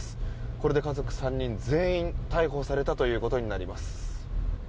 これで家族３人全員逮捕されたということになります。